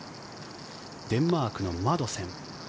デンマークのマドセン。